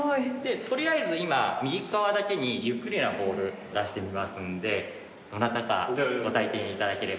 取りあえず今右側だけにゆっくりなボール出してみますんでどなたかご体験いただければ。